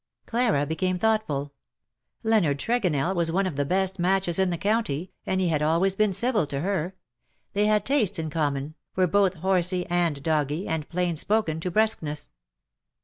Clara became thoughtful. Leonard Tregonell was one of the best matches in the county, and he had always been civil to her. They had tastes in com mon, were both horsey and doggy, and plain spoken to brusqueness.